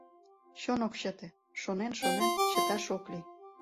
Чон ок чыте... шонен-шонен, чыташ ок лий.